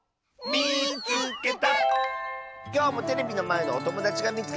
「みいつけた！」。